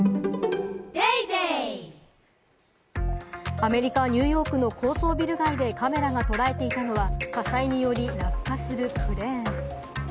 アメリカ・ニューヨークの高層ビル街でカメラが捉えていたのは、火災により落下するクレーン。